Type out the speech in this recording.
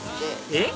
えっ？